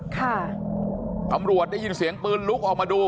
ตำรวจได้ยินเสียงปืนลุกออกมาดู